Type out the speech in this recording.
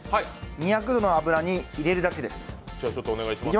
２００度の油に入れるだけです。